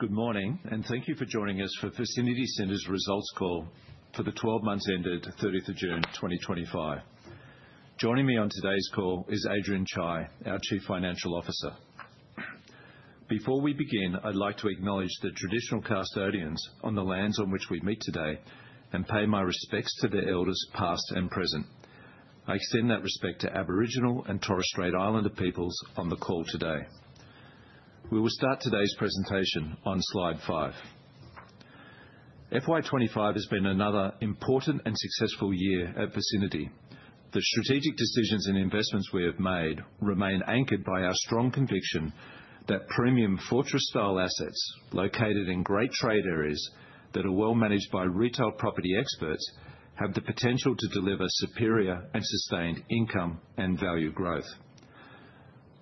Good morning and thank you for joining us for the Vicinity Centres Results Call for the 12 months ended 30th of June 2025. Joining me on today's call is Adrian Chye, our Chief Financial Officer. Before we begin, I'd like to acknowledge the traditional custodians on the lands on which we meet today and pay my respects to their Elders past and present. I extend that respect to Aboriginal and Torres Strait Islander peoples on the call today. We will start today's presentation on slide five. FY 2025 has been another important and successful year at Vicinity. The strategic decisions and investments we have made remain anchored by our strong conviction that premium fortress-style assets located in great trade areas that are well managed by retail property experts have the potential to deliver superior and sustained income and value growth.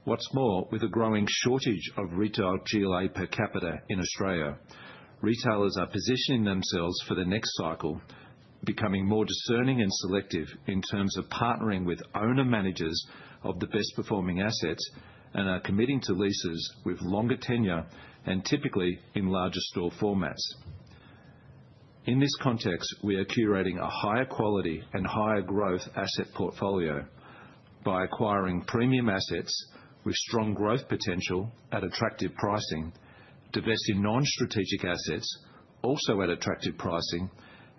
What's more, with a growing shortage of retail GLA per capita in Australia, retailers are positioning themselves for the next cycle, becoming more discerning and selective in terms of partnering with owner-managers of the best-performing assets and are committing to leases with longer tenure and typically in larger store formats. In this context, we are curating a higher quality and higher growth asset portfolio by acquiring premium assets with strong growth potential at attractive pricing, diverse non-strategic assets also at attractive pricing,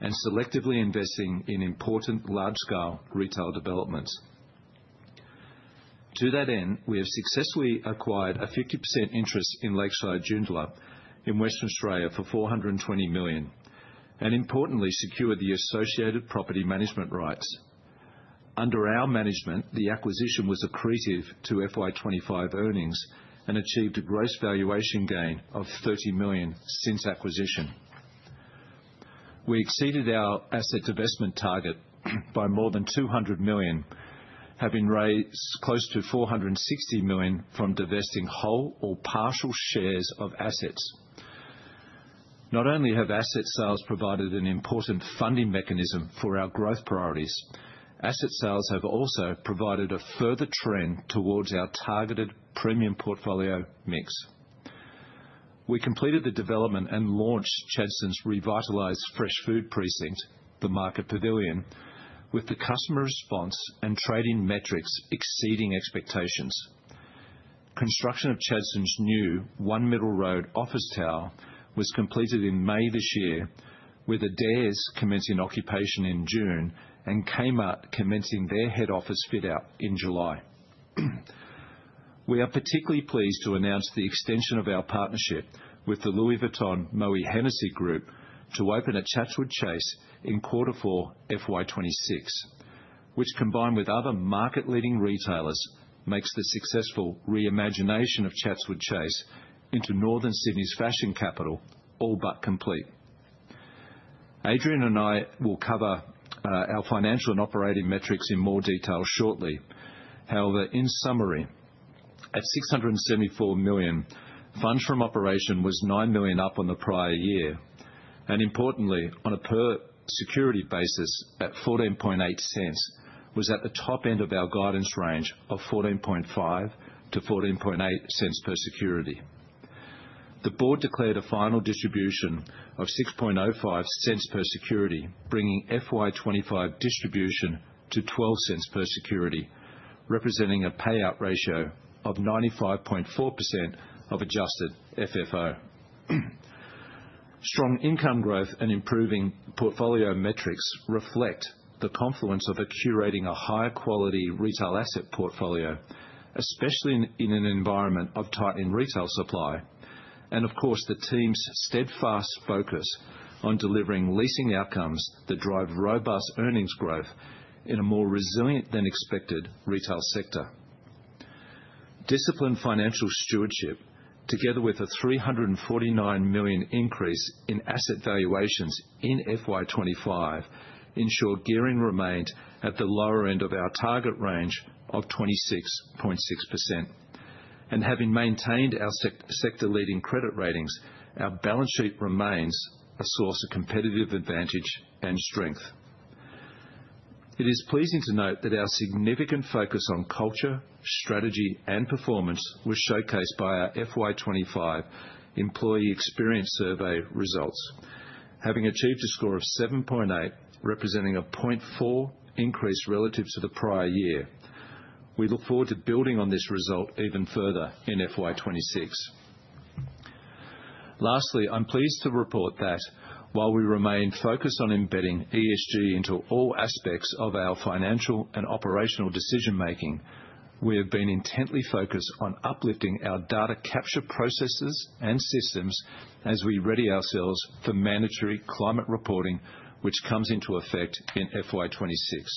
and selectively investing in important large-scale retail developments. To that end, we have successfully acquired a 50% interest in Lakeside Joondalup in Western Australia for $420 million and importantly secured the associated property management rights. Under our management, the acquisition was accretive to FY 2025 earnings and achieved a gross valuation gain of $30 million since acquisition. We exceeded our asset divestment target by more than $200 million, having raised close to $460 million from divesting whole or partial shares of assets. Not only have asset sales provided an important funding mechanism for our growth priorities, asset sales have also provided a further trend towards our targeted premium portfolio mix. We completed the development and launched Chadstone's revitalized fresh food precinct, the Market Pavilion, with the customer response and trading metrics exceeding expectations. Construction of Chadstone's new One Middle Road office tower was completed in May this year, with Adairs commencing occupation in June and Kmart commencing their head office fit-out in July. We are particularly pleased to announce the extension of our partnership with the Louis Vuitton Moët Hennessy Group to open at Chatswood Chase in quarter four FY 2026, which combined with other market-leading retailers makes the successful reimagination of Chatswood Chase into Northern Sydney's fashion capital all but complete. Adrian and I will cover our financial and operating metrics in more detail shortly. However, in summary, at $674 million, Funds from Operation was $9 million up on the prior year, and importantly, on a per security basis at $0.148, was at the top end of our guidance range of $0.145-$0.148 per security. The board declared a final distribution of $0.0605 per security, bringing FY 2025 distribution to $0.12 per security, representing a payout ratio of 95.4% of adjusted FFO. Strong income growth and improving portfolio metrics reflect the confluence of curating a high-quality retail asset portfolio, especially in an environment of tightening retail supply and, of course, the team's steadfast focus on delivering leasing outcomes that drive robust earnings growth in a more resilient than expected retail sector. Disciplined financial stewardship, together with a $349 million increase in asset valuations in FY 2025, ensured gearing remained at the lower end of our target range of 26.6%. Having maintained our sector-leading credit ratings, our balance sheet remains a source of competitive advantage and strength. It is pleasing to note that our significant focus on culture, strategy, and performance was showcased by our FY 2025 employee experience survey results, having achieved a score of 7.8, representing a 0.4 increase relative to the prior year. We look forward to building on this result even further in FY 2026. Lastly, I'm pleased to report that while we remain focused on embedding ESG into all aspects of our financial and operational decision-making, we have been intently focused on uplifting our data capture processes and systems as we ready ourselves for mandatory climate reporting, which comes into effect in FY 2026.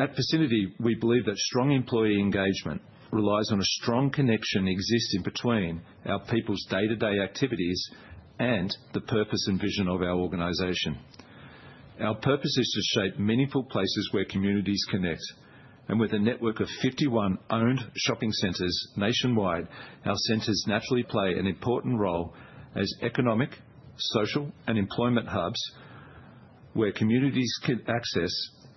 At Vicinity, we believe that strong employee engagement relies on a strong connection that exists in between our people's day-to-day activities and the purpose and vision of our organization. Our purpose is to shape meaningful places where communities connect, and with a network of 51 owned shopping centers nationwide, our centers naturally play an important role as economic, social, and employment hubs where communities can access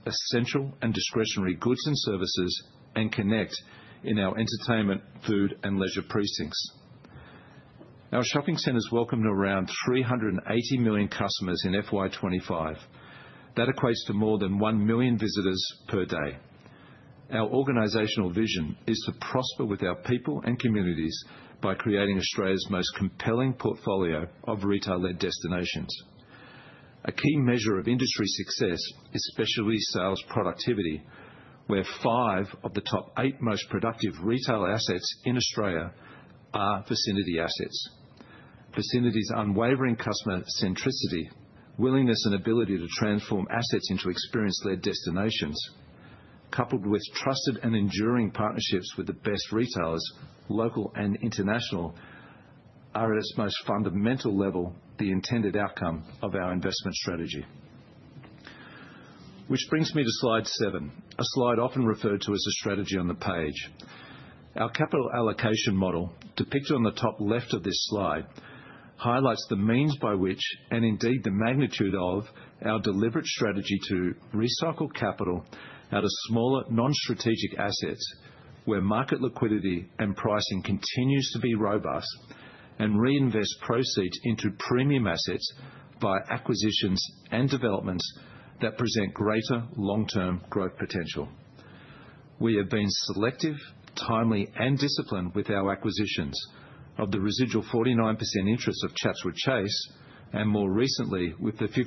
essential and discretionary goods and services and connect in our entertainment, food, and leisure precincts. Our shopping centers welcomed around 380 million customers in FY 2025. That equates to more than one million visitors per day. Our organizational vision is to prosper with our people and communities by creating Australia's most compelling portfolio of retail-led destinations. A key measure of industry success is specialty sales productivity, where five of the top eight most productive retail assets in Australia are Vicinity assets. Vicinity's unwavering customer centricity, willingness, and ability to transform assets into experience-led destinations, coupled with trusted and enduring partnerships with the best retailers, local and international, are at its most fundamental level the intended outcome of our investment strategy. This brings me to slide seven, a slide often referred to as a strategy on the page. Our capital allocation model, depicted on the top left of this slide, highlights the means by which, and indeed the magnitude of, our deliberate strategy to recycle capital out of smaller non-strategic assets where market liquidity and pricing continues to be robust and reinvest proceeds into premium assets by acquisitions and developments that present greater long-term growth potential. We have been selective, timely, and disciplined with our acquisitions of the residual 49% interest of Chatswood Chase and more recently with the 50%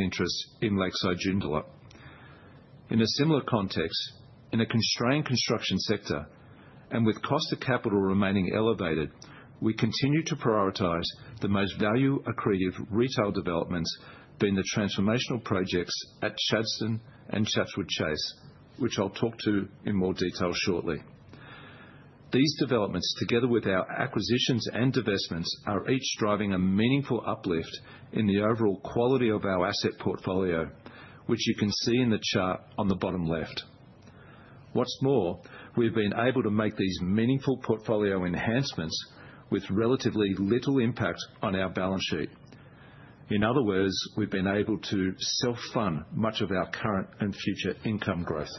interest in Lakeside Joondalup. In a similar context, in a constrained construction sector and with cost of capital remaining elevated, we continue to prioritize the most value-accretive retail developments, being the transformational projects at Chadstone and Chatswood Chase, which I'll talk to in more detail shortly. These developments, together with our acquisitions and divestments, are each driving a meaningful uplift in the overall quality of our asset portfolio, which you can see in the chart on the bottom left. What's more, we've been able to make these meaningful portfolio enhancements with relatively little impact on our balance sheet. In other words, we've been able to self-fund much of our current and future income growth.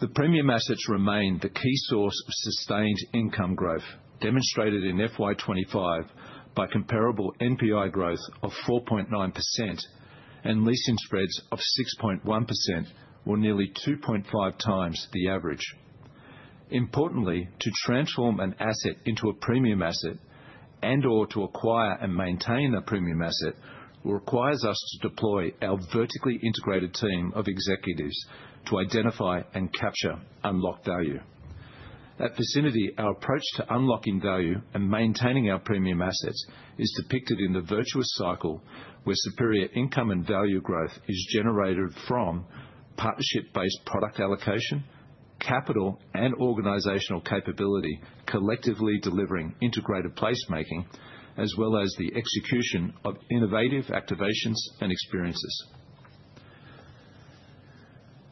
The premium assets remain the key source of sustained income growth, demonstrated in FY 2025 by comparable NPI growth of 4.9% and leasing spreads of 6.1%, or nearly 2.5 times the average. Importantly, to transform an asset into a premium asset and/or to acquire and maintain a premium asset requires us to deploy our vertically integrated team of executives to identify and capture unlocked value. At Vicinity, our approach to unlocking value and maintaining our premium assets is depicted in the virtuous cycle where superior income and value growth is generated from partnership-based product allocation, capital, and organizational capability, collectively delivering integrated placemaking, as well as the execution of innovative activations and experiences.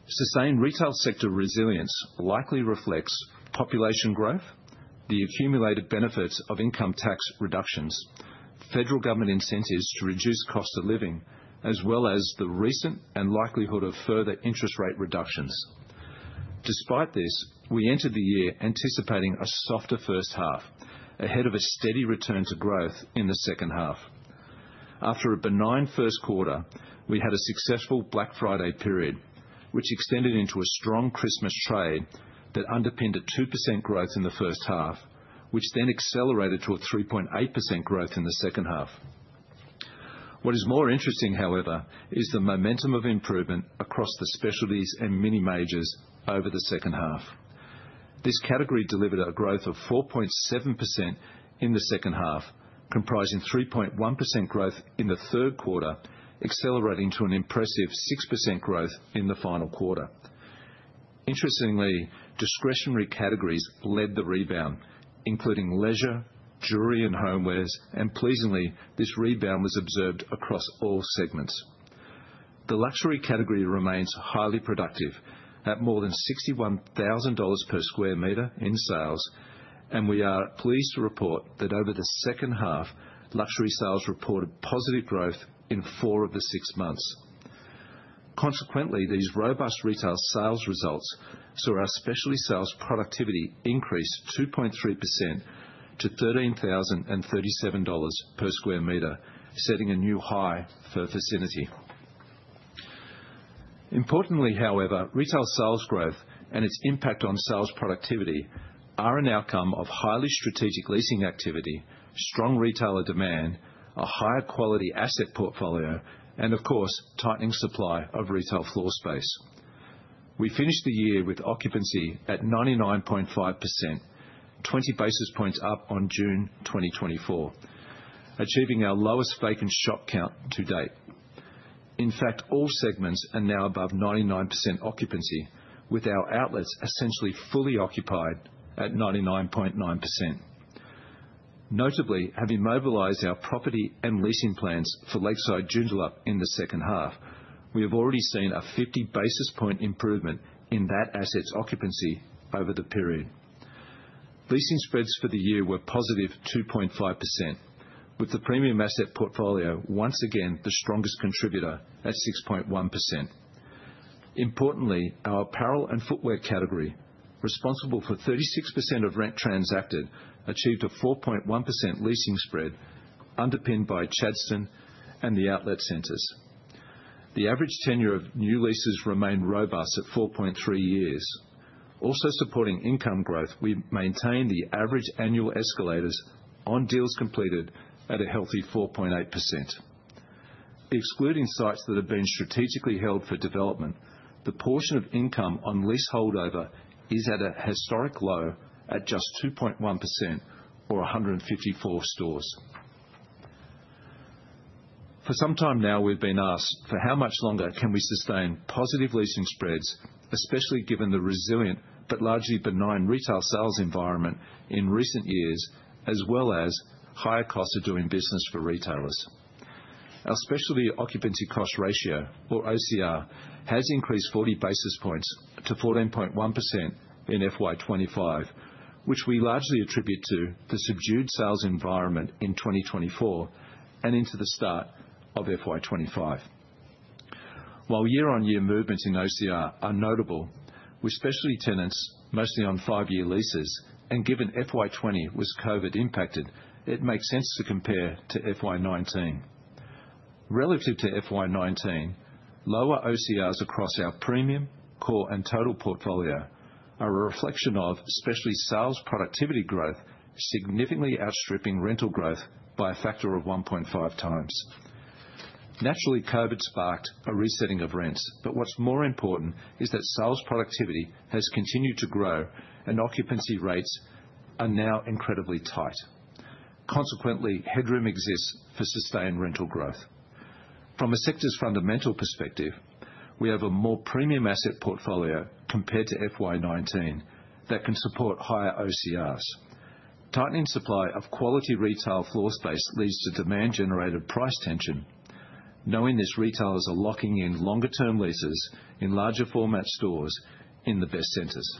Sustained retail sector resilience likely reflects population growth, the accumulated benefits of income tax reductions, federal government incentives to reduce cost of living, as well as the recent and likelihood of further interest rate reductions. Despite this, we entered the year anticipating a softer first half ahead of a steady return to growth in the second half. After a benign first quarter, we had a successful Black Friday period, which extended into a strong Christmas trade that underpinned a 2% growth in the first half, which then accelerated to a 3.8% growth in the second half. What is more interesting, however, is the momentum of improvement across the specialties and many majors over the second half. This category delivered a growth of 4.7% in the second half, comprising 3.1% growth in the third quarter, accelerating to an impressive 6% growth in the final quarter. Interestingly, discretionary categories led the rebound, including leisure, jewelry, and homewares, and pleasingly, this rebound was observed across all segments. The luxury category remains highly productive at more than $61,000 per square meter in sales, and we are pleased to report that over the second half, luxury sales reported positive growth in four of the six months. Consequently, these robust retail sales results saw our specialty sales productivity increase 2.3% to $13,037 per square meter, setting a new high for Vicinity. Importantly, however, retail sales growth and its impact on sales productivity are an outcome of highly strategic leasing activity, strong retailer demand, a higher quality asset portfolio, and of course, tightening supply of retail floor space. We finished the year with occupancy at 99.5%, 20 basis points up on June 2024, achieving our lowest vacant shop count to date. In fact, all segments are now above 99% occupancy, with our outlets essentially fully occupied at 99.9%. Notably, having mobilized our property and leasing plans for Lakeside Joondalup in the second half, we have already seen a 50 basis point improvement in that asset's occupancy over the period. Leasing spreads for the year were positive 2.5%, with the premium asset portfolio once again the strongest contributor at 6.1%. Importantly, our apparel and footwear category, responsible for 36% of rent transacted, achieved a 4.1% leasing spread underpinned by Chadstone and the outlet centers. The average tenure of new leases remained robust at 4.3 years. Also supporting income growth, we maintained the average annual escalators on deals completed at a healthy 4.8%. Excluding sites that have been strategically held for development, the portion of income on lease holdover is at a historic low at just 2.1% for 154 stores. For some time now, we've been asked for how much longer can we sustain positive leasing spreads, especially given the resilient but largely benign retail sales environment in recent years, as well as higher costs of doing business for retailers. Our specialty occupancy cost ratio, or OCR, has increased 40 basis points to 14.1% in FY 2025, which we largely attribute to the subdued sales environment in 2024 and into the start of FY 2025. While year-on-year movements in OCR are notable with specialty tenants mostly on five-year leases, and given FY 2020 was COVID impacted, it makes sense to compare to FY 2019. Relative to FY 2019, lower OCRs across our premium, core, and total portfolio are a reflection of specialty sales productivity growth, significantly outstripping rental growth by a factor of 1.5 times. Naturally, COVID sparked a resetting of rents, but what's more important is that sales productivity has continued to grow and occupancy rates are now incredibly tight. Consequently, headroom exists for sustained rental growth. From a sector's fundamental perspective, we have a more premium asset portfolio compared to FY 2019 that can support higher OCRs. Tightening supply of quality retail floor space leads to demand-generated price tension. Knowing this, retailers are locking in longer-term leases in larger format stores in the best centers.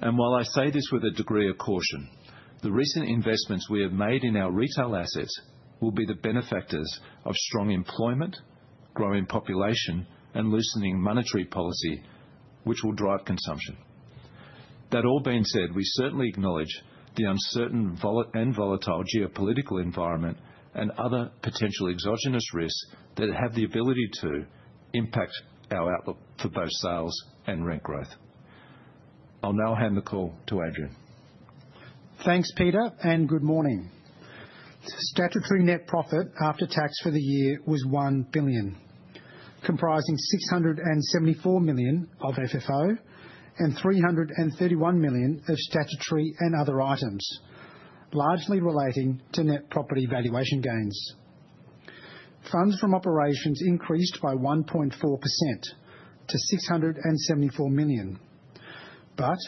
While I say this with a degree of caution, the recent investments we have made in our retail assets will be the benefactors of strong employment, growing population, and loosening monetary policy, which will drive consumption. That all being said, we certainly acknowledge the uncertain and volatile geopolitical environment and other potential exogenous risks that have the ability to impact our outlook for both sales and rent growth. I'll now hand the call to Adrian. Thanks, Peter, and good morning. Statutory Net Profit After Tax for the year was $1 billion, comprising $674 million of FFO and $331 million of statutory and other items, largely relating to net property valuation gains. Funds from Operations increased by 1.4% to $674 million, but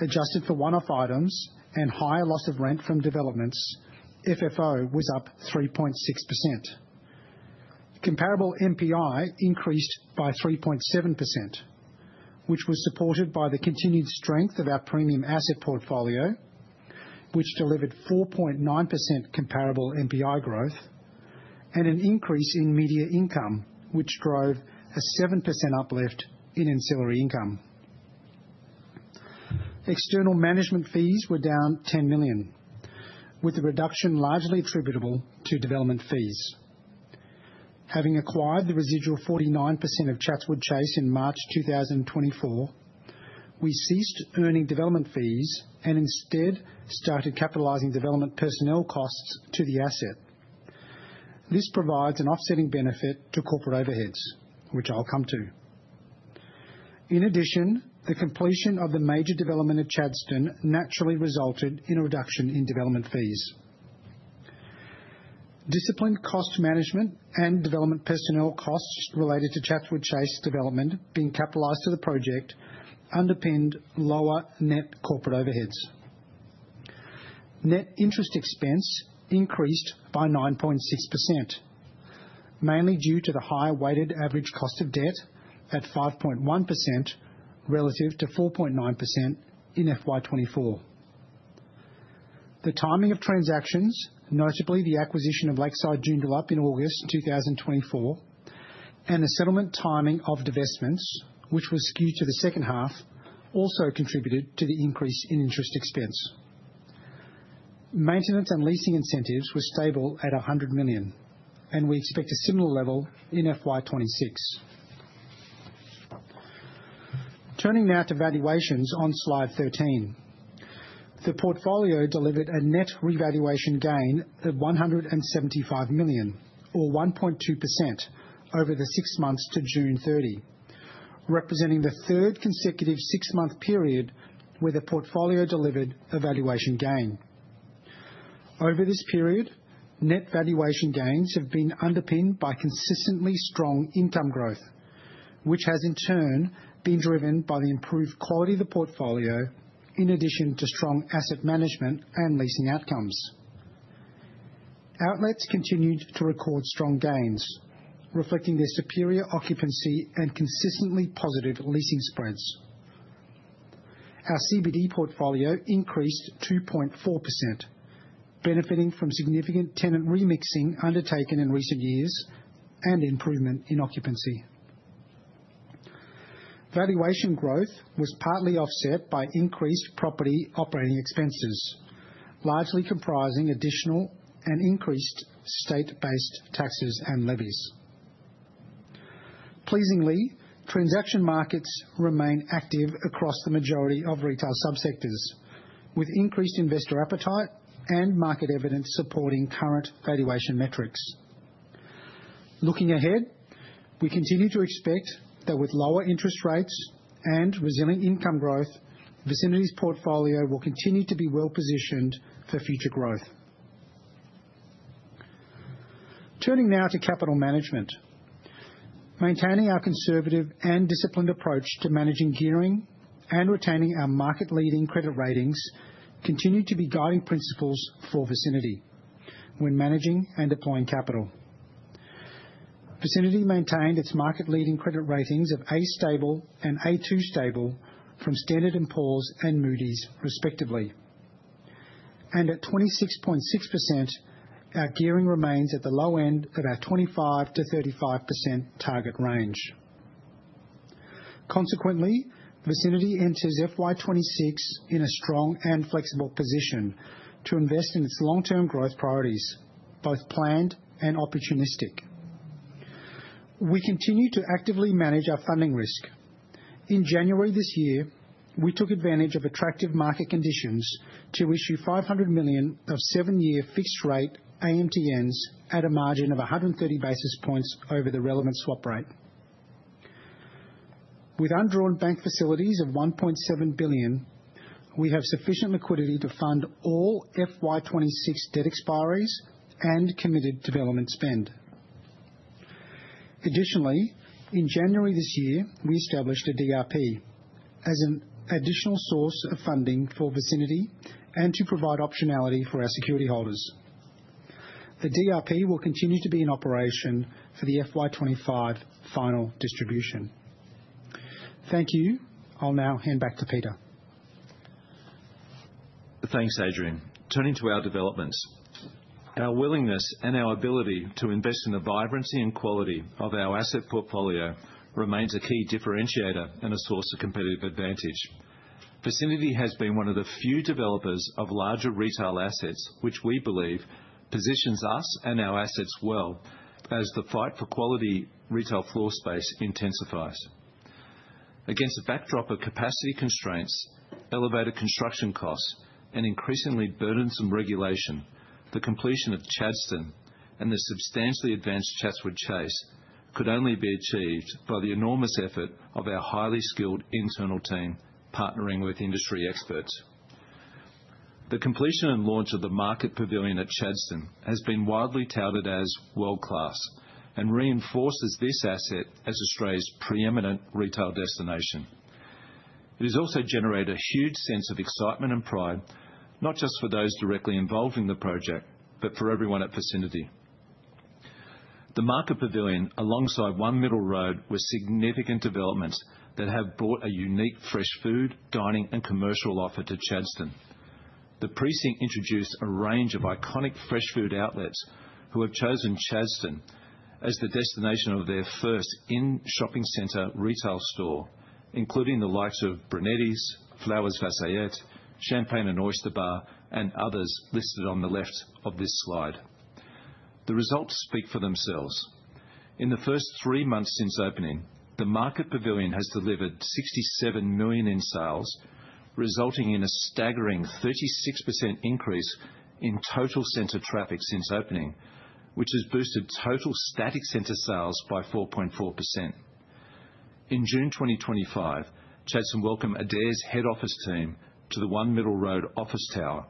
adjusted for one-off items and higher loss of rent from developments, FFO was up 3.6%. Comparable NPI increased by 3.7%, which was supported by the continued strength of our premium asset portfolio, which delivered 4.9% comparable NPI growth and an increase in media income, which drove a 7% uplift in ancillary income. External management fees were down $10 million, with a reduction largely attributable to development fees. Having acquired the residual 49% of Chatswood Chase in March 2024, we ceased earning development fees and instead started capitalizing development personnel costs to the asset. This provides an offsetting benefit to corporate overheads, which I'll come to. In addition, the completion of the major development at Chadstone naturally resulted in a reduction in development fees. Disciplined cost management and development personnel costs related to Chatswood Chase development being capitalized to the project underpinned lower net corporate overheads. Net interest expense increased by 9.6%, mainly due to the high weighted average cost of debt at 5.1% relative to 4.9% in FY 2024. The timing of transactions, notably the acquisition of Lakeside Joondalup in August 2024, and the settlement timing of divestments, which was skewed to the second half, also contributed to the increase in interest expense. Maintenance and leasing incentives were stable at $100 million, and we expect a similar level in FY 2026. Turning now to valuations on slide 13, the portfolio delivered a net revaluation gain of $175 million, or 1.2% over the six months to June 30, representing the third consecutive six-month period where the portfolio delivered a valuation gain. Over this period, net valuation gains have been underpinned by consistently strong income growth, which has in turn been driven by the improved quality of the portfolio in addition to strong asset management and leasing outcomes. Outlets continued to record strong gains, reflecting their superior occupancy and consistently positive leasing spreads. Our CBD portfolio increased 2.4%, benefiting from significant tenant remixing undertaken in recent years and improvement in occupancy. Valuation growth was partly offset by increased property operating expenses, largely comprising additional and increased state-based taxes and levies. Pleasingly, transaction markets remain active across the majority of retail subsectors, with increased investor appetite and market evidence supporting current valuation metrics. Looking ahead, we continue to expect that with lower interest rates and resilient income growth, Vicinity's portfolio will continue to be well-positioned for future growth. Turning now to capital management, maintaining our conservative and disciplined approach to managing gearing and retaining our market-leading credit ratings continue to be guiding principles for Vicinity when managing and deploying capital. Vicinity maintained its market-leading credit ratings of A stable and A2 stable from Standard & Poor's and Moody’s, respectively. At 26.6%, our gearing remains at the low end of our 25%-35% target range. Consequently, Vicinity enters FY 2026 in a strong and flexible position to invest in its long-term growth priorities, both planned and opportunistic. We continue to actively manage our funding risk. In January this year, we took advantage of attractive market conditions to issue $500 million of seven-year fixed-rate AMTNs at a margin of 130 basis points over the relevant swap rate. With undrawn bank facilities of $1.7 billion, we have sufficient liquidity to fund all FY 2026 debt expiry and committed development spend. Additionally, in January this year, we established a DRP as an additional source of funding for Vicinity and to provide optionality for our security holders. A DRP will continue to be in operation for the FY 2025 final distribution. Thank you. I'll now hand back to Peter. Thanks, Adrian. Turning to our developments, our willingness and our ability to invest in the vibrancy and quality of our asset portfolio remains a key differentiator and a source of competitive advantage. Vicinity has been one of the few developers of larger retail assets, which we believe positions us and our assets well as the fight for quality retail floor space intensifies. Against a backdrop of capacity constraints, elevated construction costs, and increasingly burdensome regulation, the completion of Chadstone and the substantially advanced Chatswood Chase could only be achieved by the enormous effort of our highly skilled internal team partnering with industry experts. The completion and launch of the Market Pavilion at Chadstone has been widely touted as world-class and reinforces this asset as Australia's preeminent retail destination. It has also generated a huge sense of excitement and pride, not just for those directly involved in the project, but for everyone at Vicinity. The Market Pavilion, alongside One Middle Road, were significant developments that have brought a unique fresh food, dining, and commercial offer to Chadstone. The precinct introduced a range of iconic fresh food outlets who have chosen Chadstone as the destination of their first in-shopping centre retail store, including the likes of Brunetti's, Flowers Vassayette, Champagne & Oyster Bar, and others listed on the left of this slide. The results speak for themselves. In the first three months since opening, the Market Pavilion has delivered $67 million in sales, resulting in a staggering 36% increase in total centre traffic since opening, which has boosted total static centre sales by 4.4%. In June 2025, Chadstone welcomed Adairs head office team to the One Middle Road office tower.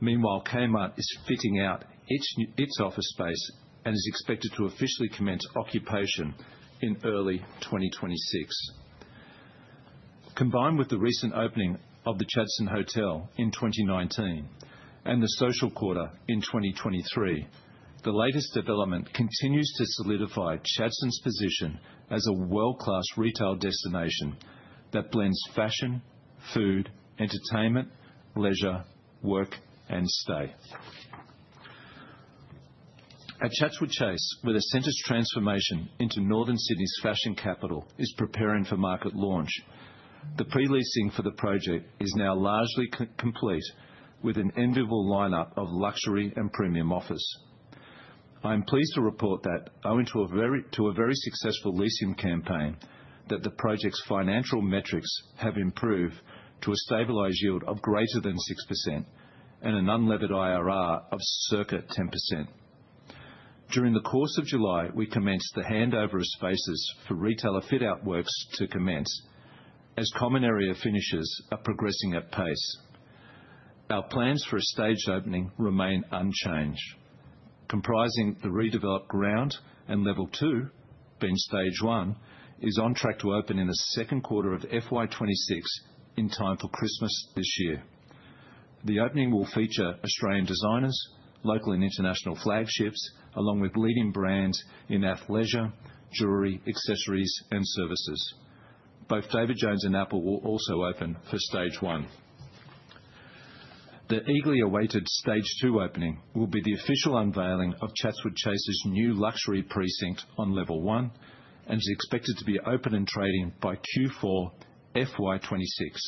Meanwhile, Kmart is fitting out its office space and is expected to officially commence occupation in early 2026. Combined with the recent opening of the Chadstone Hotel in 2019 and the Social Quarter in 2023, the latest development continues to solidify Chadstone's position as a world-class retail destination that blends fashion, food, entertainment, leisure, work, and space. At Chatswood Chase, where the centre's transformation into Northern Sydney's fashion capital is preparing for market launch, the pre-leasing for the project is now largely complete, with an enviable lineup of luxury and premium offers. I am pleased to report that, owing to a very successful leasing campaign, the project's financial metrics have improved to a stabilized yield of greater than 6% and an unlevered IRR of circa 10%. During the course of July, we commenced the handover of spaces for retailer fit-out works to commence, as common area finishers are progressing at pace. Our plans for a staged opening remain unchanged. Comprising the redeveloped ground and level two, being stage one, is on track to open in the second quarter of FY 2026 in time for Christmas this year. The opening will feature Australian designers, local and international flagships, along with leading brands in athleisure, jewelry, accessories, and services. Both David Jones and Apple will also open for stage one. The eagerly awaited stage two opening will be the official unveiling of Chatswood Chase's new luxury precinct on level one and is expected to be open and trading by Q4 FY 2026.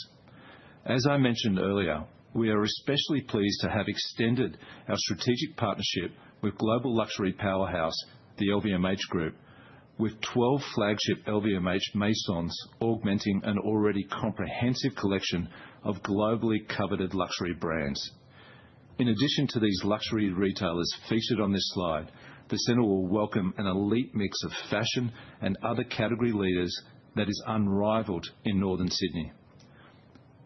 As I mentioned earlier, we are especially pleased to have extended our strategic partnership with global luxury powerhouse, the LVMH Group, with 12 flagship LVMH maisons augmenting an already comprehensive collection of globally coveted luxury brands. In addition to these luxury retailers featured on this slide, the center will welcome an elite mix of fashion and other category leaders that is unrivaled in Northern Sydney.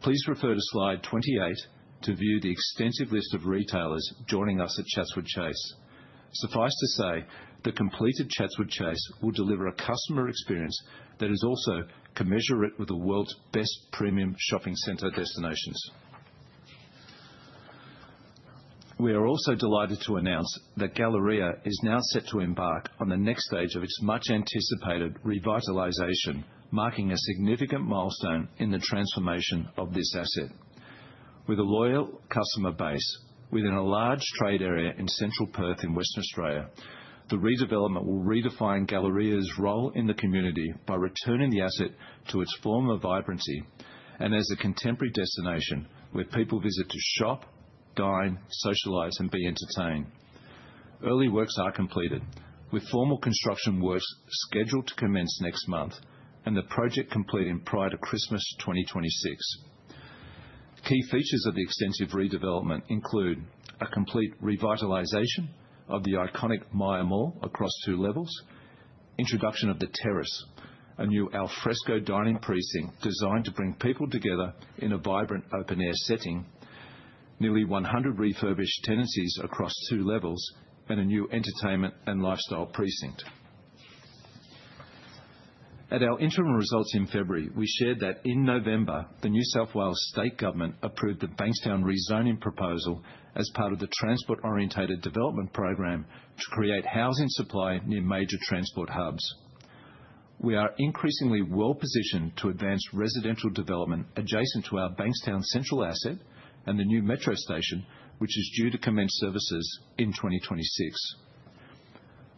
Please refer to slide 28 to view the extensive list of retailers joining us at Chatswood Chase. Suffice to say, the completed Chatswood Chase will deliver a customer experience that is also commensurate with the world's best premium shopping center destinations. We are also delighted to announce that Galleria is now set to embark on the next stage of its much-anticipated revitalization, marking a significant milestone in the transformation of this asset. With a loyal customer base, within a large trade area in central Perth in Western Australia, the redevelopment will redefine Galleria's role in the community by returning the asset to its former vibrancy and as a contemporary destination where people visit to shop, dine, socialize, and be entertained. Early works are completed, with formal construction works scheduled to commence next month and the project completing prior to Christmas 2026. Key features of the extensive redevelopment include a complete revitalization of the iconic Maya Mall across two levels, the introduction of the Terrace, a new al fresco dining precinct designed to bring people together in a vibrant open-air setting, nearly 100 refurbished tenancies across two levels, and a new entertainment and lifestyle precinct. At our interim results in February, we shared that in November, the New South Wales State Government approved the Bankstown rezoning proposal as part of the transport-oriented development program to create housing supply near major transport hubs. We are increasingly well-positioned to advance residential development adjacent to our Bankstown Central asset and the new metro station, which is due to commence services in 2026.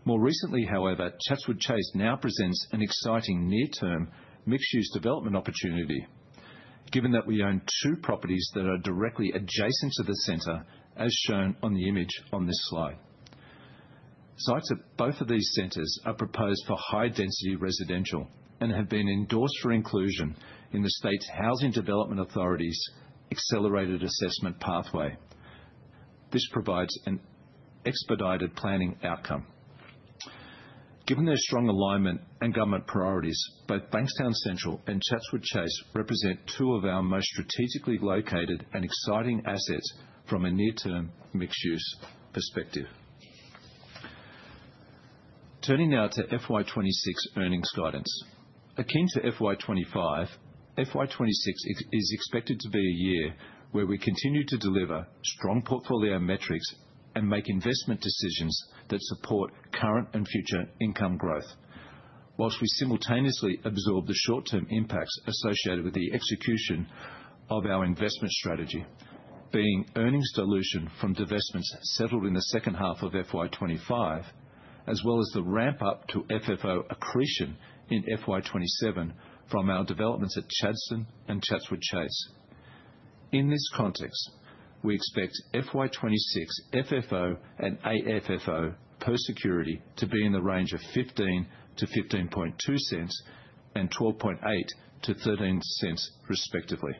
More recently, however, Chatswood Chase now presents an exciting near-term mixed-use development opportunity, given that we own two properties that are directly adjacent to the center, as shown on the image on this slide. Sites at both of these centers are proposed for high-density residential and have been endorsed for inclusion in the state's Housing Development Authority's Accelerated Assessment Pathway. This provides an expedited planning outcome. Given their strong alignment and government priorities, both Bankstown Central and Chatswood Chase represent two of our most strategically located and exciting assets from a near-term mixed-use perspective. Turning now to FY 2026 earnings guidance. Akin to FY 2025, FY 2026 is expected to be a year where we continue to deliver strong portfolio metrics and make investment decisions that support current and future income growth, whilst we simultaneously absorb the short-term impacts associated with the execution of our investment strategy, being earnings dilution from divestments settled in the second half of FY 2025, as well as the ramp-up to FFO accretion in FY 2027 from our developments at Chadstone and Chatswood Chase. In this context, we expect FY 2026 FFO and AFFO per security to be in the range of $0.15-$0.152 and $0.128-$0.13, respectively.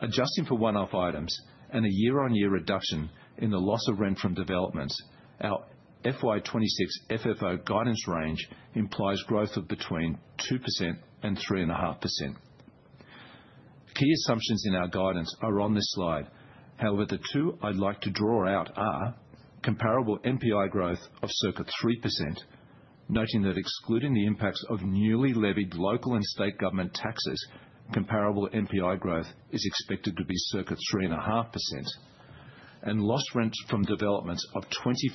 Adjusting for one-off items and a year-on-year reduction in the loss of rent from developments, our FY 2026 FFO guidance range implies growth of between 2% and 3.5%. Key assumptions in our guidance are on this slide. However, the two I'd like to draw out are comparable NPI growth of circa 3%, noting that excluding the impacts of newly levied local and state government taxes, comparable NPI growth is expected to be circa 3.5%, and lost rents from developments of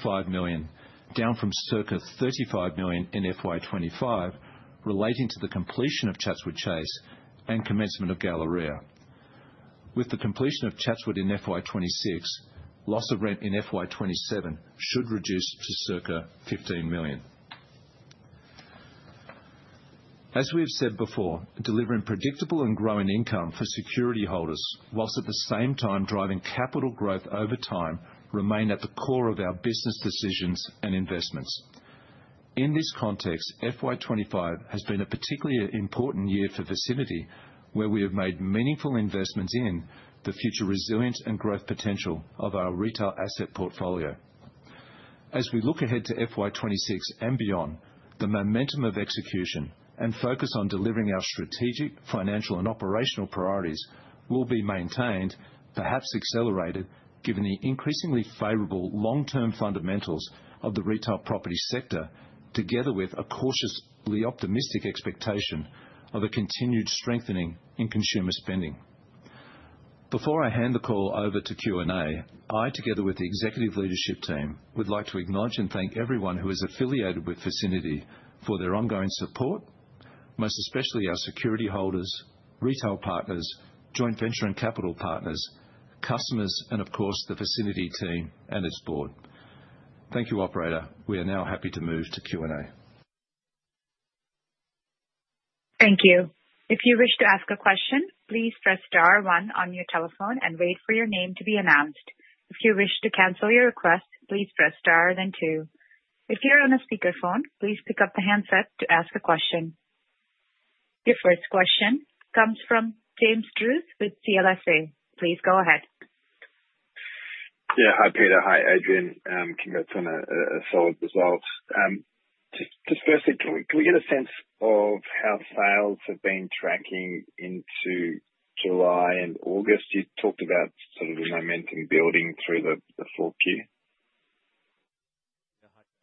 $25 million, down from circa $35 million in FY 2025, relating to the completion of Chatswood Chase and commencement of Galleria. With the completion of Chatswood in FY 2026, loss of rent in FY 2027 should reduce to circa $15 million. As we have said before, delivering predictable and growing income for security holders, whilst at the same time driving capital growth over time, remain at the core of our business decisions and investments. In this context, FY 2025 has been a particularly important year for Vicinity, where we have made meaningful investments in the future resilience and growth potential of our retail asset portfolio. As we look ahead to FY 2026 and beyond, the momentum of execution and focus on delivering our strategic financial and operational priorities will be maintained, perhaps accelerated, given the increasingly favorable long-term fundamentals of the retail property sector, together with a cautiously optimistic expectation of a continued strengthening in consumer spending. Before I hand the call over to Q&A, I, together with the executive leadership team, would like to acknowledge and thank everyone who is affiliated with Vicinity for their ongoing support, most especially our security holders, retail partners, joint venture and capital partners, customers, and of course, the Vicinity team and its board. Thank you, Operator. We are now happy to move to Q&A. Thank you. If you wish to ask a question, please press star one on your telephone and wait for your name to be announced. If you wish to cancel your request, please press star then two. If you're on a speakerphone, please pick up the handset to ask a question. Your first question comes from James Druce with CLSA. Please go ahead. Yeah. Hi, Peter. Hi, Adrian. Congrats on a solid results. Just firstly, do we get a sense of how sales have been tracking into July and August? You talked about sort of the momentum building through the fourth year.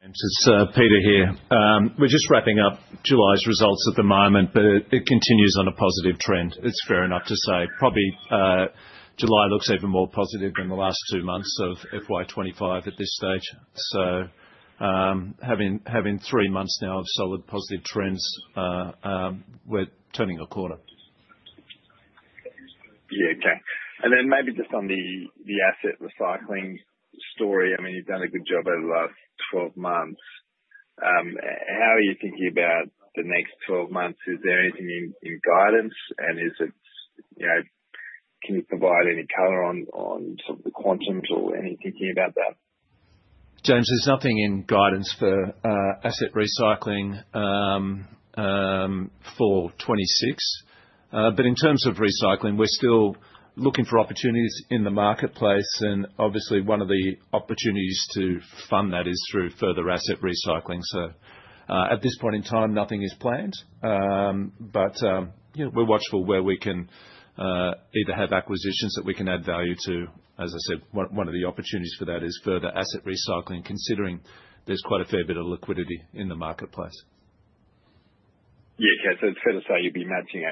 It's Peter here. We're just wrapping up July's results at the moment, but it continues on a positive trend. It's fair enough to say probably July looks even more positive than the last two months of FY 2025 at this stage. Having three months now of solid positive trends, we're turning a corner. Thank you. Maybe just on the asset recycling story, you've done a good job over the last 12 months. How are you thinking about the next 12 months? Is there anything in guidance, and can you provide any color on the quantum? Any thinking about that? James, there's nothing in guidance for asset recycling for 2026. In terms of recycling, we're still looking for opportunities in the marketplace. Obviously, one of the opportunities to fund that is through further asset recycling. At this point in time, nothing is planned, but we're watchful where we can either have acquisitions that we can add value to. As I said, one of the opportunities for that is further asset recycling, considering there's quite a fair bit of liquidity in the marketplace. Yeah, so it's fair to say you'd be matching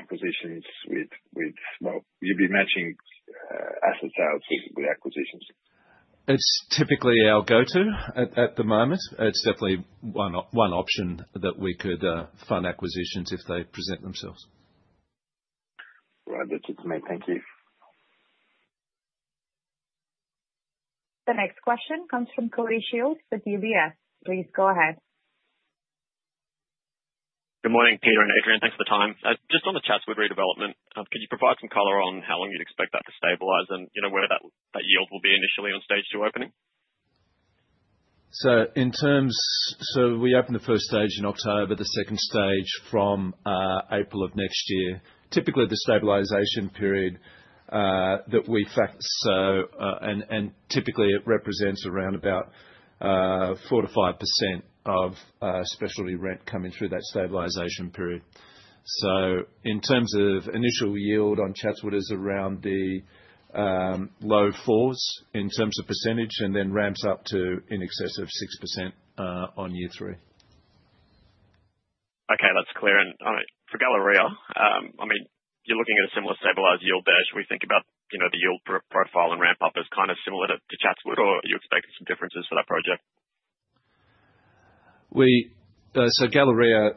asset sales with acquisitions. It's typically our go-to at the moment. It's definitely one option that we could fund acquisitions if they present themselves. The next question comes from Cody Shield with UBS. Please go ahead. Good morning, Peter and Adrian. Thanks for the time. Just on the Chatswood Chase redevelopment, could you provide some color on how long you'd expect that to stabilize and where that yield will be initially on stage two opening? We open the first stage in October, the second stage from April of next year. Typically, the stabilization period that we factored in represents around 4%-5% of specialty rent coming through that stabilization period. In terms of initial yield on Chatswood, it is around the low 4% in terms of percentage and then ramps up to in excess of 6% in year three. Okay, that's clear. All right, for Galleria, I mean, you're looking at a similar stabilized yield there. Should we think about, you know, the yield profile and ramp up as kind of similar to Chatswood, or are you expecting some differences for that project? Galleria,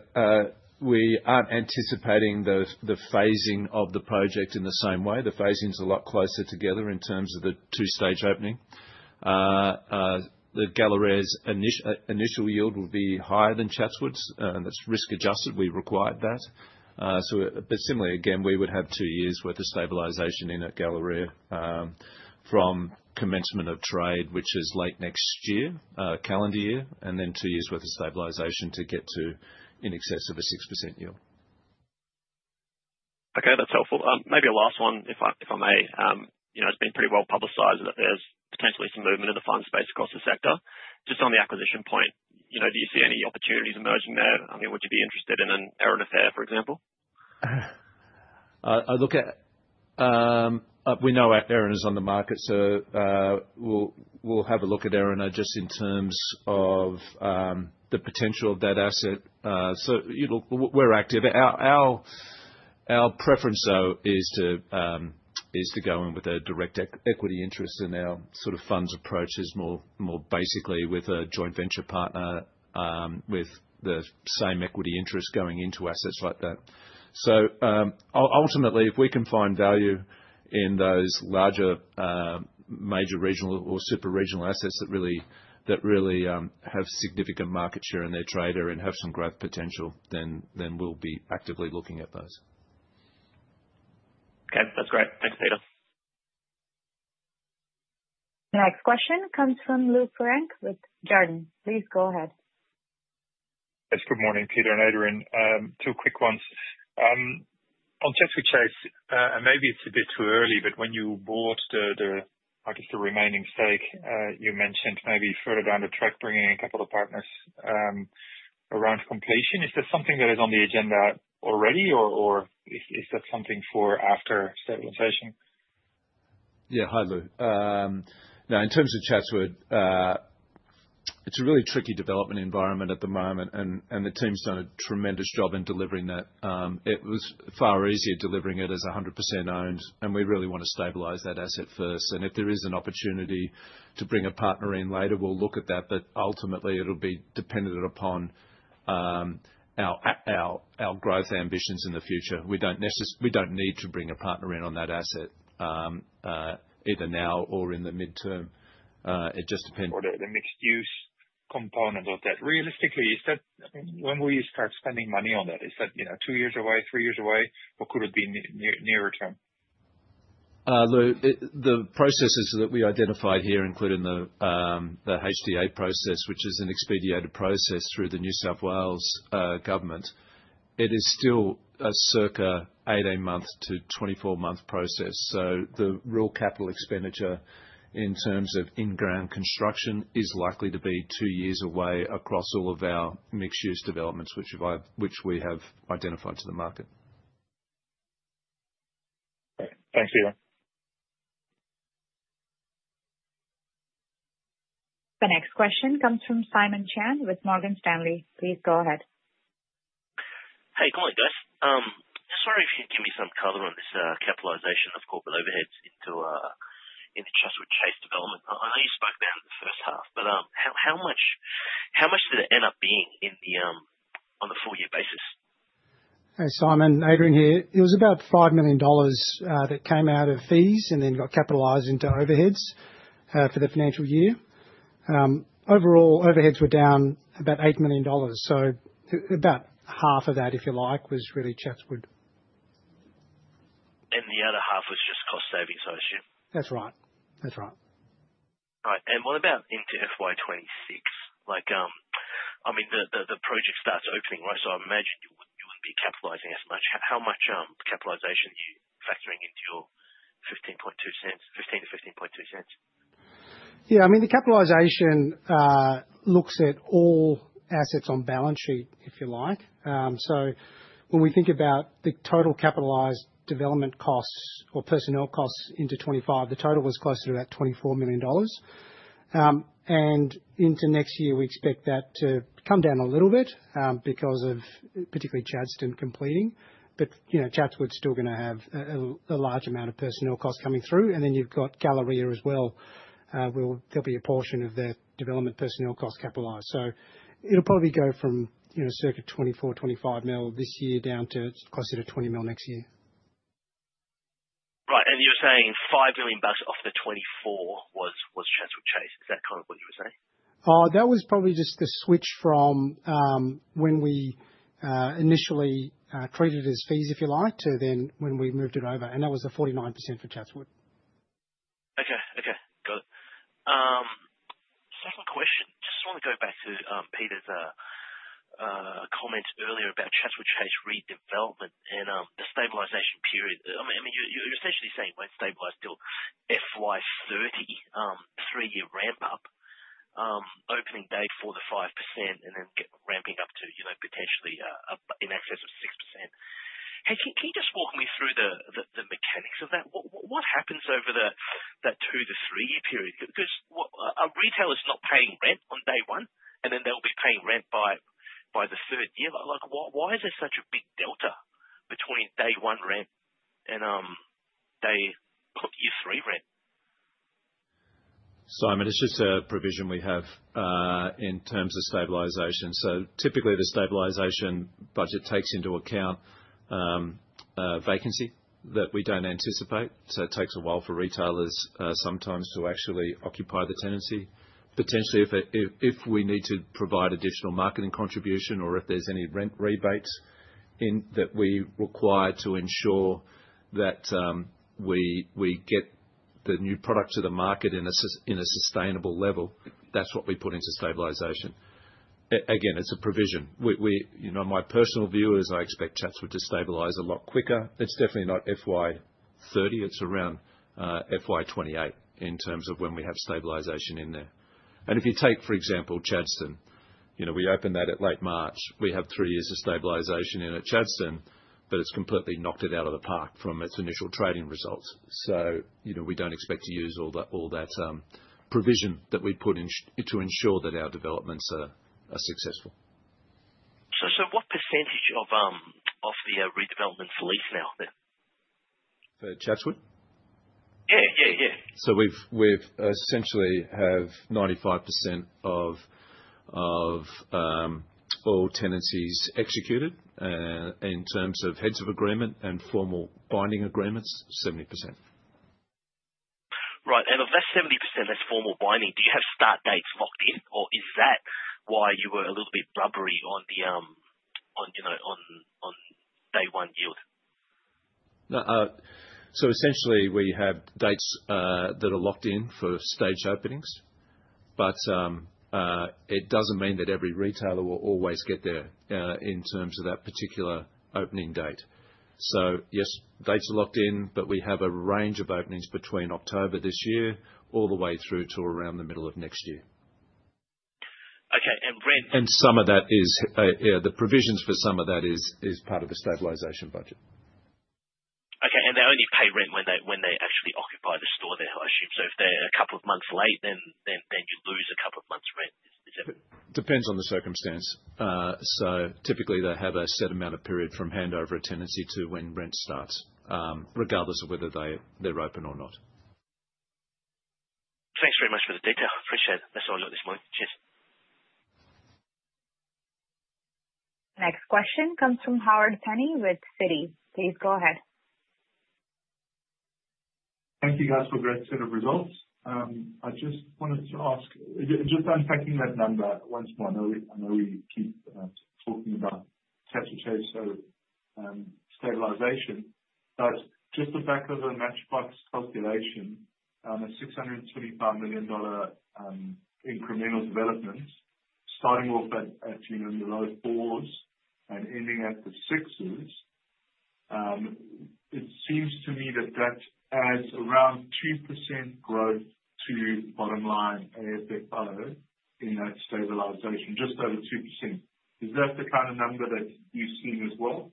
we aren't anticipating the phasing of the project in the same way. The phasing is a lot closer together in terms of the two-stage opening. Galleria's initial yield will be higher than Chatswood's, and that's risk-adjusted. We required that. Similarly, again, we would have two years' worth of stabilization in at Galleria, from commencement of trade, which is late next calendar year, and then two years' worth of stabilization to get to in excess of a 6% yield. Okay, that's helpful. Maybe a last one, if I may, you know, it's been pretty well publicized that there's potentially some movement in the fund space across the sector. Just on the acquisition point, do you see any opportunities emerging there? I mean, would you be interested in an Erin Affair, for example? I look at, we know Affair is on the market, so we'll have a look at Aaron just in terms of the potential of that asset. You know, we're active. Our preference, though, is to go in with a direct equity interest, and our sort of funds approach is more basically with a joint venture partner, with the same equity interest going into assets like that. Ultimately, if we can find value in those larger, major regional or super regional assets that really have significant market share in their trader and have some growth potential, then we'll be actively looking at those. Okay, that's great. Thanks, Peter. Next question comes from Lou Pirenc with Jarden. Please go ahead. Yes, good morning, Peter and Adrian. Two quick ones. On Chatswood Chase, and maybe it's a bit too early, but when you bought the, I guess, the remaining stake, you mentioned maybe further down the track bringing a couple of partners around completion. Is there something that is on the agenda already, or is that something for after stabilization? Yeah, hi, Lou. Now, in terms of Chatswood, it's a really tricky development environment at the moment, and the team's done a tremendous job in delivering that. It was far easier delivering it as 100% owned, and we really want to stabilize that asset first. If there is an opportunity to bring a partner in later, we'll look at that. Ultimately, it'll be dependent upon our growth ambitions in the future. We don't necessarily, we don't need to bring a partner in on that asset, either now or in the midterm. It just depends. The mixed-use component of that, realistically, is that when will you start spending money on that? Is that, you know, two years away, three years away, or could it be nearer term? Luke, the processes that we identified here include the HDA process, which is an expedited process through the New South Wales government. It is still a circa 8-month-24-month process. The real capital expenditure in terms of in-ground construction is likely to be two years away across all of our mixed-use developments, which we have identified to the market. Thanks, Peter. The next question comes from Simon Chan with Morgan Stanley. Please go ahead. Hey, good morning, guys. Sorry, if you could give me some color on this, capitalization of corporate overheads into the Chatswood Chase development. I know you spoke down to the first half, but how much did it end up being on the full-year basis? Hey, Simon, Adrian here. It was about $5 million that came out of fees and then got capitalized into overheads for the financial year. Overall, overheads were down about $8 million. About half of that, if you like, was really Chatswood. The other half was just cost savings, I assume? That's right. That's right. All right. What about into FY 2026? I mean, the project starts opening, right? I imagine you wouldn't be capitalizing as much. How much capitalization are you factoring into your $0.15-$0.152? Yeah, I mean, the capitalization looks at all assets on balance sheet, if you like. When we think about the total capitalized development costs or personnel costs into 2025, the total was close to about $24 million. Into next year, we expect that to come down a little bit, because of particularly Chadstone completing. You know, Chatswood's still going to have a large amount of personnel costs coming through. You've got Galleria as well. There'll be a portion of their development personnel costs capitalized. It'll probably go from circa $24 million, $25 million this year down to closer to $20 million next year. Right. You're saying $5 million off the 2024 was Chatswood Chase. Is that kind of what you were saying? That was probably just the switch from when we initially treated it as fees, if you like, to when we moved it over. That was the 49% for Chatswood Chase. Okay. Got it. Second question. I just want to go back to Peter's comments earlier about Chatswood Chase redevelopment and the stabilization period. You're essentially saying, right, stabilized till FY 2030, three-year ramp-up, opening day for the 5% and then ramping up to, you know, potentially in excess of 6%. Can you just walk me through the mechanics of that? What happens over that two to three-year period? Because a retailer is not paying rent on day one, and then they'll be paying rent by the third year. Why is there such a big delta between day one rent and year three rent? Simon, it's just a provision we have, in terms of stabilization. Typically, the stabilization budget takes into account vacancy that we don't anticipate. It takes a while for retailers sometimes to actually occupy the tenancy. Potentially, if we need to provide additional marketing contribution or if there's any rent rebates that we require to ensure that we get the new product to the market at a sustainable level, that's what we put into stabilization. Again, it's a provision. My personal view is I expect Chatswood Chase to stabilize a lot quicker. It's definitely not FY 2030. It's around FY 2028 in terms of when we have stabilization in there. If you take, for example, Chadstone, we opened that in late March. We have three years of stabilization in at Chadstone, but it's completely knocked it out of the park from its initial trading results. We don't expect to use all that provision that we put in to ensure that our developments are successful. What percentage of the redevelopment's leased now? For Chatswood? Yeah, yeah. We essentially have 95% of all tenancies executed, in terms of heads of agreement and formal binding agreements, 70%. Right. Of that 70% that's formal binding, do you have start dates locked in, or is that why you were a little bit blubbery on the, you know, on day one yield? No, essentially, we have dates that are locked in for staged openings. It doesn't mean that every retailer will always get there in terms of that particular opening date. Yes, dates are locked in, but we have a range of openings between October this year all the way through to around the middle of next year. Okay. Rent. Some of that is the provisions for some of that as part of the stabilization budget. Okay. They only pay rent when they actually occupy the store that hosts you. If they're a couple of months late, then you lose a couple of months' rent. It depends on the circumstance. Typically, they have a set amount of period from handover a tenancy to when rent starts, regardless of whether they're open or not. Thanks very much for the detail. Appreciate it. That's all I got this morning. Cheers. Next question comes from Howard Penny with Citi. Please go ahead. Thank you, guys, for a great set of results. I just wanted to ask, just unpacking that number once more. I know we keep talking about Chatswood Chase, stabilization. Just to back on the matchbox calculation, on a $635 million incremental development, starting off at, you know, your low fours and ending at the sixes, it seems to me that that adds around 2% growth to bottom line AFFO in that stabilization, just over 2%. Is that the kind of number that you've seen as well?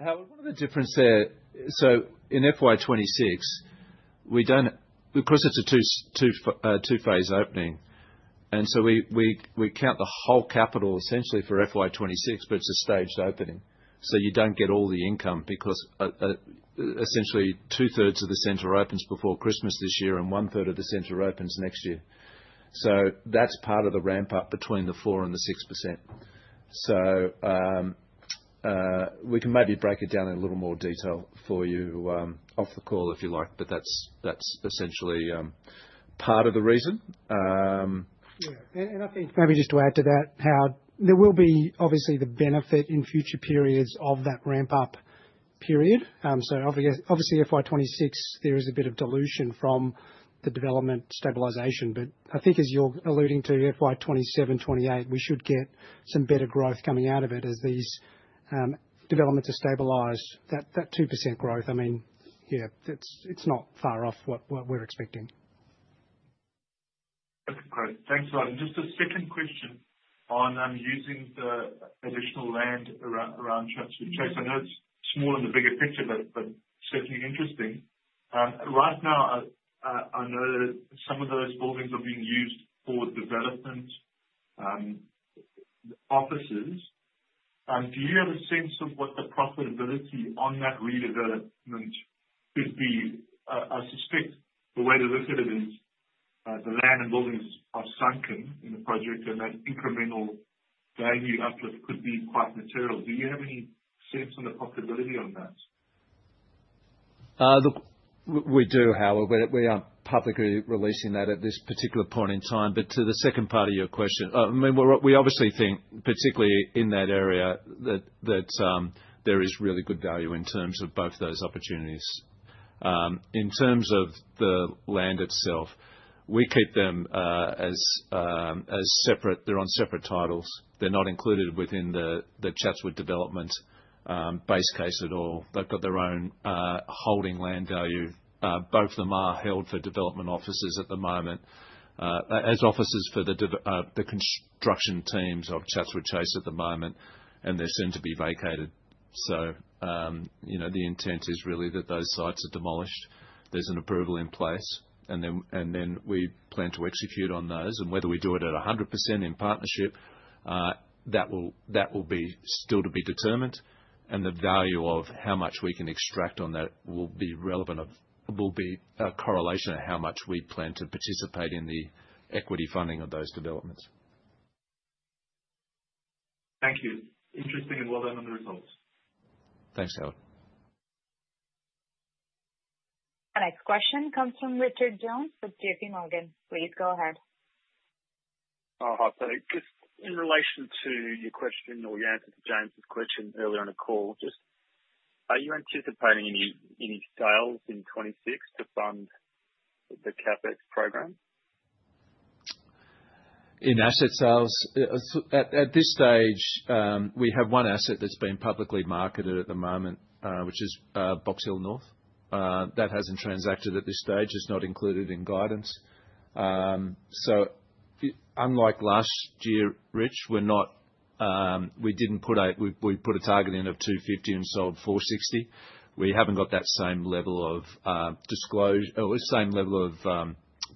Howard, what are the differences? In FY 2026, we don't, because it's a two-phase opening, and we count the whole capital essentially for FY 2026, but it's a staged opening. You don't get all the income because essentially 2/3 of the center opens before Christmas this year and 1/3 of the center opens next year. That's part of the ramp-up between the 4% and the 6%. We can maybe break it down in a little more detail for you off the call if you like, but that's essentially part of the reason. Yeah. I think maybe just to add to that, Howard, there will be obviously the benefit in future periods of that ramp-up period. Obviously, FY 2026, there is a bit of dilution from the development stabilization. I think as you're alluding to FY 2027-2028, we should get some better growth coming out of it as these developments are stabilized. That 2% growth, I mean, yeah, it's not far off what we're expecting. That's great. Thanks. Just a second question on using the additional land around Chatswood Chase. I know it's small in the bigger picture, but certainly interesting. Right now, I know some of those buildings are being used for development, offices. Do you have a sense of what the profitability on that redevelopment could be? I suspect the way to look at it is, the land and buildings are sunken in the project, and that incremental value uplift could be quite material. Do you have any sense of the profitability on that? We do, Howard, but we aren't publicly releasing that at this particular point in time. To the second part of your question, I mean, we obviously think, particularly in that area, that there is really good value in terms of both those opportunities. In terms of the land itself, we keep them as separate. They're on separate titles. They're not included within the Chatswood Chase developments base case at all. They've got their own holding land value. Both of them are held for development offices at the moment, as offices for the construction teams of Chatswood Chase at the moment, and they're soon to be vacated. The intent is really that those sites are demolished. There's an approval in place, and then we plan to execute on those. Whether we do it at 100% in partnership, that will be still to be determined. The value of how much we can extract on that will be a correlation of how much we plan to participate in the equity funding of those developments. Thank you. Interesting and well done on the results. Thanks, Howard. The next question comes from Richard Jones with J.P. Morgan. Please go ahead. Hi, Peter. Just in relation to your answer to James's question earlier on the call, are you anticipating any sales in 2026 to fund the CapEx program? In asset sales? At this stage, we have one asset that's been publicly marketed at the moment, which is Box Hill North. That hasn't transacted at this stage. It's not included in guidance. Unlike last year, Rich, we didn't put a target in of $250 million and sold $460 million. We haven't got that same level of disclosure or same level of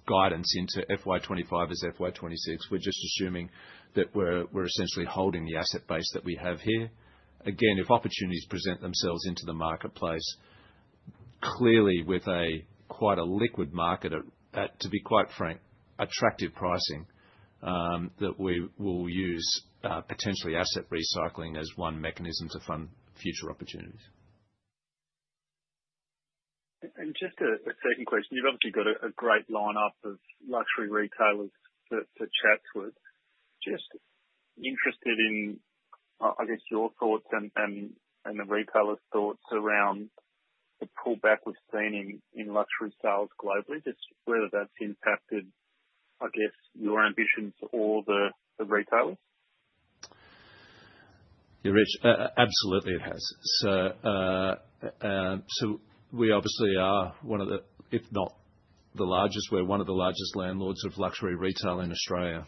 guidance into FY 2025 as FY 2026. We're just assuming that we're essentially holding the asset base that we have here. Again, if opportunities present themselves into the marketplace, clearly with quite a liquid market, to be quite frank, attractive pricing, we will use potentially asset recycling as one mechanism to fund future opportunities. Just a second question. You've obviously got a great lineup of luxury retailers for Chatswood. I'm interested in your thoughts and the retailers' thoughts around the pullback we've seen in luxury sales globally, just whether that's impacted your ambitions or the retailer. Yeah, Rich, absolutely, it has. We obviously are one of the, if not the largest, we're one of the largest landlords of luxury retail in Australia.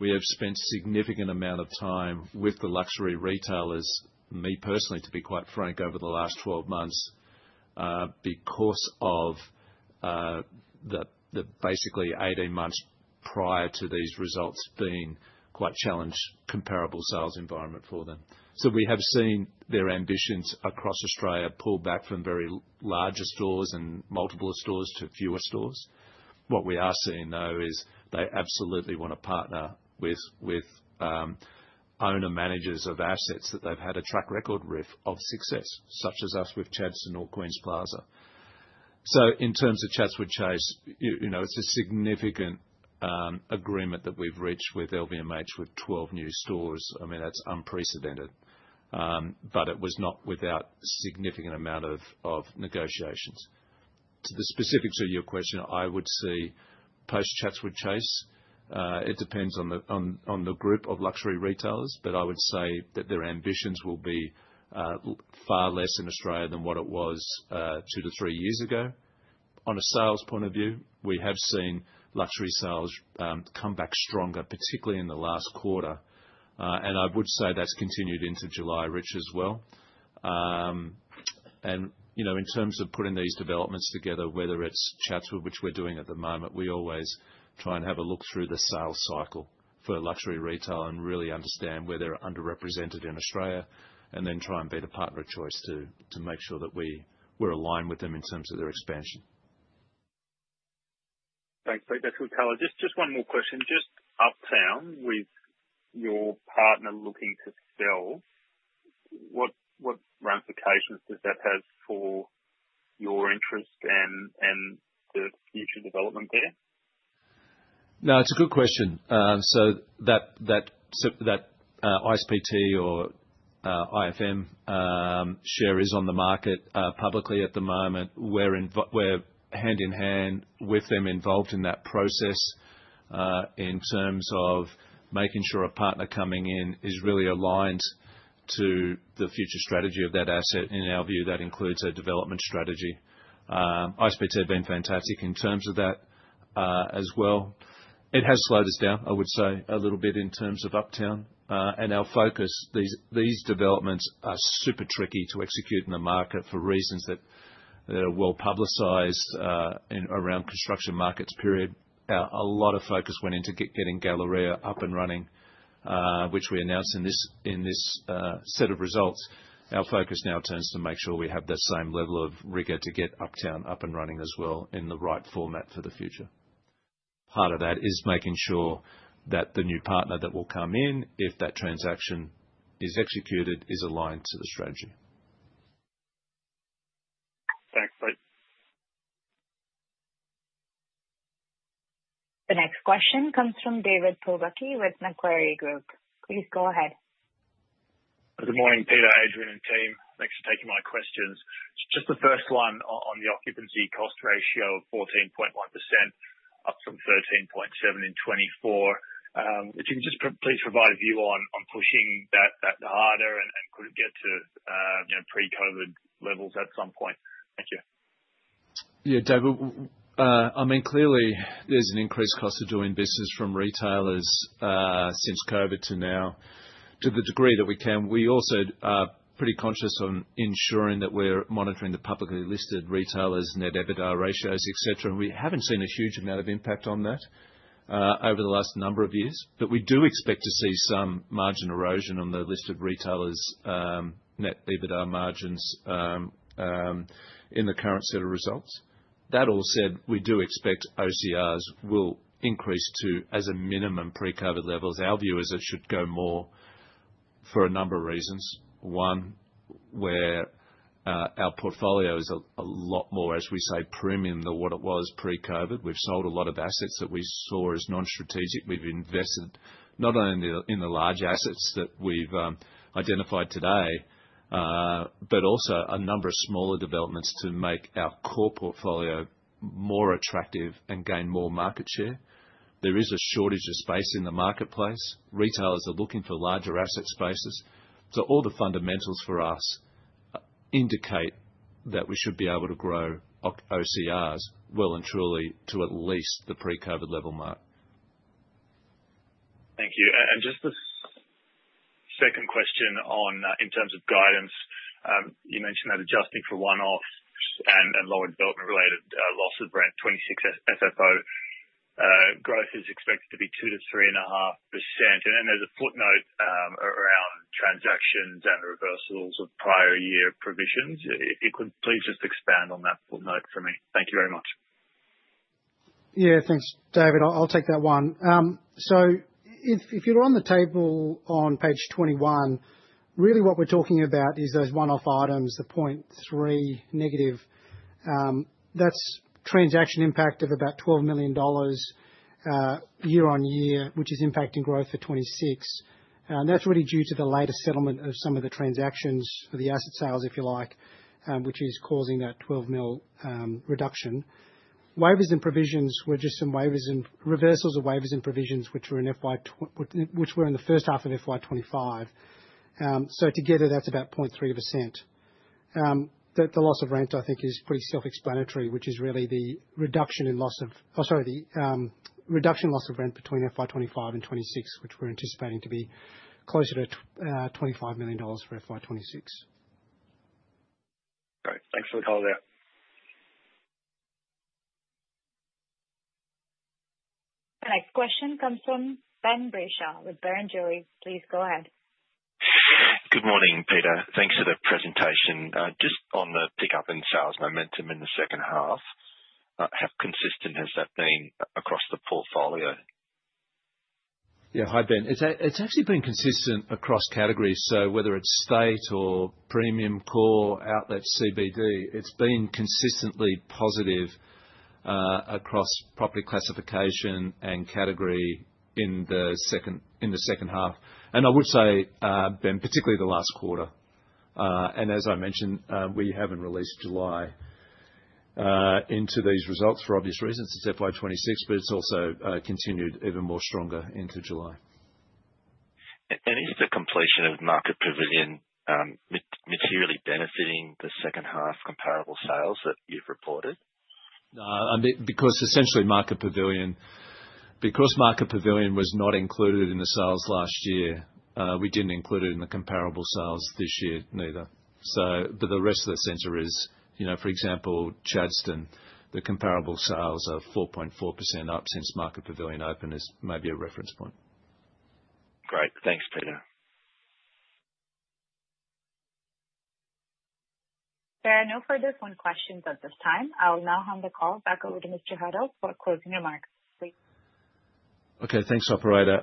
We have spent a significant amount of time with the luxury retailers, me personally, to be quite frank, over the last 12 months, because of basically 18 months prior to these results being quite a challenged comparable sales environment for them. We have seen their ambitions across Australia pull back from very large stores and multiple stores to fewer stores. What we are seeing, though, is they absolutely want to partner with owner-managers of assets that they've had a track record of success, such as us with Chadstone or Queen's Plaza. In terms of Chatswood Chase, it's a significant agreement that we've reached with LVMH with 12 new stores. I mean, that's unprecedented, but it was not without a significant amount of negotiations. The specifics of your question, I would say post-Chatswood Chase, it depends on the group of luxury retailers, but I would say that their ambitions will be far less in Australia than what it was two to three years ago. On a sales point of view, we have seen luxury sales come back stronger, particularly in the last quarter. I would say that's continued into July, Rich, as well. In terms of putting these developments together, whether it's Chatswood, which we're doing at the moment, we always try and have a look through the sales cycle for luxury retail and really understand where they're underrepresented in Australia and then try and be the partner of choice to make sure that we're aligned with them in terms of their expansion. Thanks, Peter. That's good. Just one more question. Uptown with your partner looking to sell, what ramifications does that have for your interest and the future development there? No, it's a good question. ISPT or IFM share is on the market, publicly at the moment. We're hand in hand with them involved in that process, in terms of making sure a partner coming in is really aligned to the future strategy of that asset. In our view, that includes a development strategy. ISPT have been fantastic in terms of that as well. It has slowed us down, I would say, a little bit in terms of uptown. Our focus, these developments are super tricky to execute in the market for reasons that are well-publicized, in around construction markets, period. A lot of focus went into getting Galleria up and running, which we announced in this set of results. Our focus now turns to make sure we have the same level of rigor to get uptown up and running as well in the right format for the future. Part of that is making sure that the new partner that will come in, if that transaction is executed, is aligned to the strategy. Thanks, mate. The next question comes from David Pobucky with Macquarie Group. Please go ahead. Good morning, Peter, Adrian, and team. Thanks for taking my questions. The first one on the occupancy cost ratio of 14.1% up from 13.7% in 2024. If you can just please provide a view on pushing that harder and could it get to, you know, pre-COVID levels at some point. Thank you. Yeah, David, I mean, clearly, there's an increased cost of doing business from retailers, since COVID to now. To the degree that we can, we also are pretty conscious on ensuring that we're monitoring the publicly listed retailers' net EBITDA ratios, etc. We haven't seen a huge amount of impact on that over the last number of years. We do expect to see some margin erosion on the listed retailers' net EBITDA margins in the current set of results. That all said, we do expect OCRs will increase to, as a minimum, pre-COVID levels. Our view is it should go more for a number of reasons. One, our portfolio is a lot more, as we say, prim in what it was pre-COVID. We've sold a lot of assets that we saw as non-strategic. We've invested not only in the large assets that we've identified today, but also a number of smaller developments to make our core portfolio more attractive and gain more market share. There is a shortage of space in the marketplace. Retailers are looking for larger asset spaces. All the fundamentals for us indicate that we should be able to grow OCRs well and truly to at least the pre-COVID level mark. Thank you. Just the second question, in terms of guidance, you mentioned that adjusting for one-offs and lower development-related loss of rent, 26 FFO growth is expected to be 2%-3.5%. There's a footnote around transactions and reversals of prior year provisions. If you could please just expand on that footnote for me. Thank you very much. Yeah, thanks, David. I'll take that one. If you're on the table on page 21, really what we're talking about is those one-off items, the -0.3%. That's transaction impact of about $12 million, year-on-year, which is impacting growth for 2026. That's really due to the latest settlement of some of the transactions for the asset sales, if you like, which is causing that $12 million reduction. Waivers and provisions were just some waivers and reversals of waivers and provisions, which were in the first half of FY 2025. Together, that's about 0.3%. The loss of rent, I think, is pretty self-explanatory, which is really the reduction in loss of rent between FY 2025 and 2026, which we're anticipating to be closer to $25 million for FY 2026. Great, thanks for the call there. The next question comes from Ben Brayshaw with Barrenjoey. Please go ahead. Good morning, Peter. Thanks for the presentation. Just on the pickup in sales momentum in the second half, how consistent has that been across the portfolio? Yeah, hi, Ben. It's actually been consistent across categories. Whether it's state or premium core outlets, CBD, it's been consistently positive across property classification and category in the second half. I would say, Ben, particularly the last quarter. As I mentioned, we haven't released July into these results for obvious reasons. It's FY 2026, but it's also continued even more strongly into July. Is the completion of the Market Pavilion materially benefiting the second half comparable sales that you've reported? No, I mean, because essentially Market Pavilion, because Market Pavilion was not included in the sales last year, we didn't include it in the comparable sales this year either. The rest of the center is, you know, for example, Chadstone, the comparable sales are 4.4% up since Market Pavilion opened, is maybe a reference point. Great. Thanks, Peter. There are no further phone questions at this time. I'll now hand the call back over to Mr. Huddle for closing remarks, please. Okay, thanks, operator.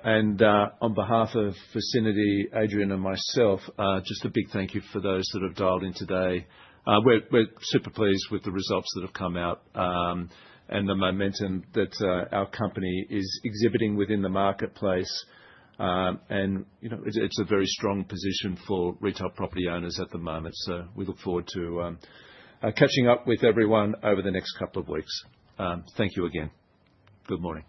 On behalf of Vicinity, Adrian and myself, just a big thank you for those that have dialed in today. We're super pleased with the results that have come out, and the momentum that our company is exhibiting within the marketplace. It's a very strong position for retail property owners at the moment. We look forward to catching up with everyone over the next couple of weeks. Thank you again. Good morning.